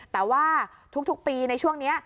แต่ว่าทุกปีในช่วงนี้